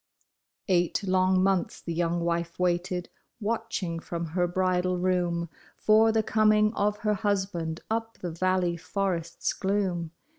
Eight long months the young wife waited, v/atching from her bridal room For the coming of her husband up the valley forest's gloom.